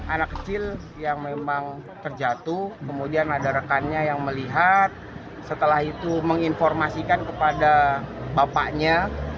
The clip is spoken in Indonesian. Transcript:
anak kecil yang memang terjatuh kemudian ada rekannya yang melihat setelah itu menginformasikan kepada bapaknya